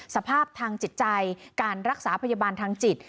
สภาพทางจิตใจการรักษาพยาบาลทางจิต